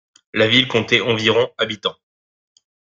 La ville comptait environ habitants.